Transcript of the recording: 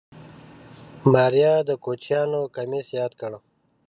ماريا د کوچيانو کميس ياد کړ.